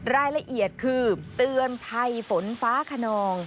รายละเอียดคือเตือนภัยฝนฟ้าขนอง